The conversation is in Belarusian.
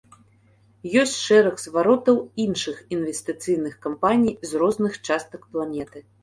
Ёсць шэраг зваротаў іншых інвестыцыйных кампаній з розных частак планеты.